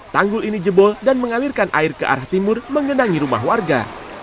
tanggul ini jebol dan mengalirkan air ke arah timur mengenangi rumah warga